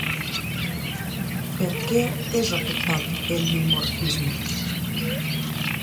Per què és afectat el dimorfisme?